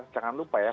jangan lupa ya